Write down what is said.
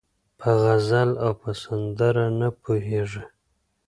په غزل او په سندره نه پوهېږي